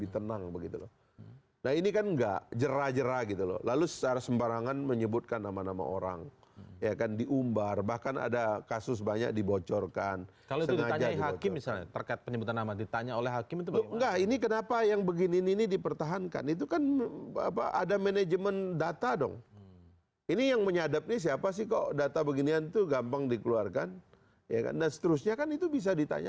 terima kasih pak faris